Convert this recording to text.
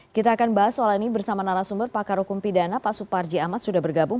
kita akan bahas soal ini bersama narasumber pakar hukum pidana pak suparji ahmad sudah bergabung